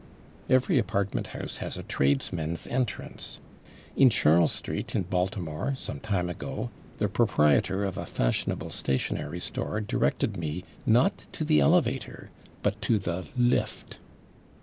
Every apartment house has a /tradesmen's entrance/. In Charles street, in Baltimore, some time ago, the proprietor of a fashionable stationery store directed me, not to the elevator, but to the /lift